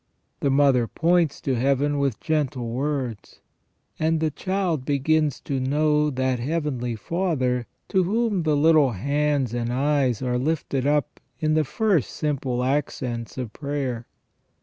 The mother points to Heaven with gentle words, and the child begins to know that Heavenly Father to whom the little hands and eyes are lifted up in the first simple accents of prayer.